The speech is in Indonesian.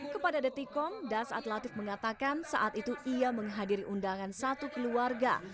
kepada detikom das at latif mengatakan saat itu ia menghadiri undangan satu keluarga